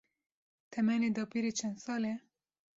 Temenê dapîrê çend sal e?